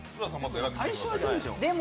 最初はいけるでしょう。